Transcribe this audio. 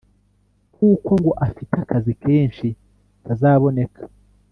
kuko ngo afite akazi kenshi ntazaboneka